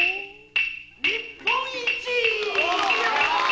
・「日本一！」